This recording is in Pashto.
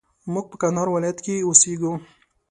موږ په کندهار ولايت کښي اوسېږو